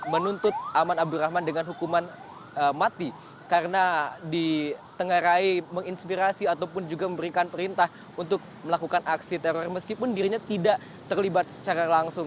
menuntut aman abdurrahman dengan hukuman mati karena ditengarai menginspirasi ataupun juga memberikan perintah untuk melakukan aksi teror meskipun dirinya tidak terlibat secara langsung